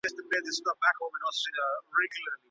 همداسي که ئې هغې ته اشاره هم وکړه.